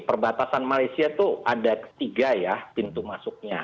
perbatasan malaysia itu ada ketiga ya pintu masuknya